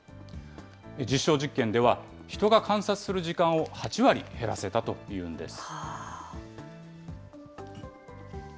実証実験では、人が観察する時間を８割減らせたというんです。